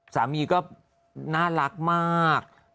สามีก็น่ารักมาก